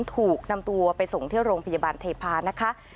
ถูกนำตัวไปส่งที่โรงพยาบาลเทพาะนะคะ